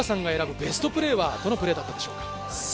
ベストプレーはどのプレーだったでしょうか？